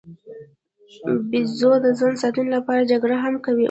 بیزو د ځان ساتنې لپاره جګړه هم کوي.